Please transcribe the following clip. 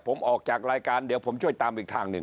ผมออกจากรายการเดี๋ยวผมช่วยตามอีกทางหนึ่ง